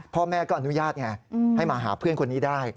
พ่อแม่ก็อนุญาตไงให้มาหาเพื่อนคนนี้ได้